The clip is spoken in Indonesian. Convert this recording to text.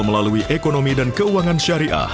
melalui ekonomi dan keuangan syariah